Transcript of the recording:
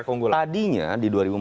konggul tadinya di dua ribu empat belas